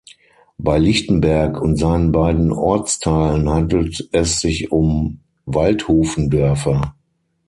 Bei Lichtenberg und seinen beiden Ortsteilen handelt es sich um Waldhufendörfer.